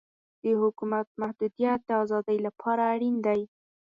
د حکومت محدودیت د ازادۍ لپاره اړین دی.